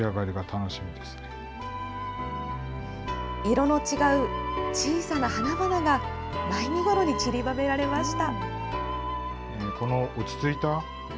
色の違う小さな花々が、前身頃に散りばめられました。